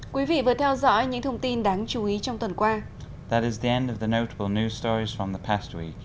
quý vị vừa theo dõi những thông tin đáng chú ý trong tuần qua